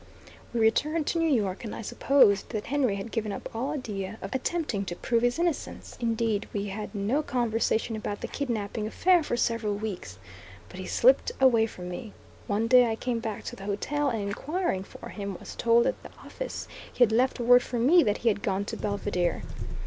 We returned to New York, and I supposed that Henry had given up all idea of attempting to "prove his innocence;" indeed we had no conversation about the kidnapping affair for several weeks. But he slipped away from me. One day I came back to the hotel, and, inquiring for him, was told at the office he had left word for me that he had gone to Belvidere.